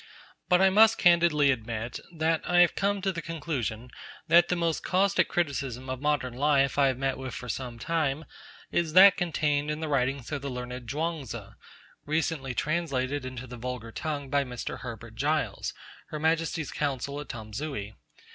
But I must candidly admit that I have come to the conclusion that the most caustic criticism of modern life I have met with for some time is that contained in the writings of the learned Chuang Tzu, recently translated into the vulgar tongue by Mr. Herbert Giles, Her Majesty's Consul at Tamsui.